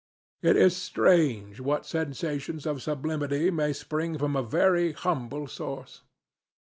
It is strange what sensations of sublimity may spring from a very humble source.